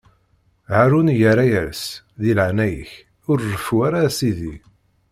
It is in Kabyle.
Haṛun irra-as: Di leɛnaya-k, ur reffu ara, a sidi!